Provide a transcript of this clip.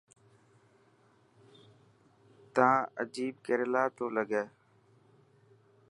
تان عجيب ڪريلا تو لگي.